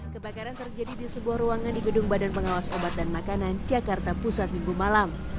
kebakaran terjadi di sebuah ruangan di gedung badan pengawas obat dan makanan jakarta pusat minggu malam